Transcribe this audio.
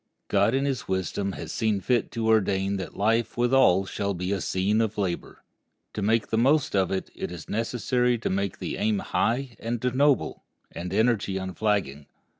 God in his wisdom has seen fit to so ordain that life with all shall be a scene of labor. To make the most of it, it is necessary to make the aim high and noble, the energy unflagging.